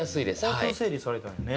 交通整理されたんやね。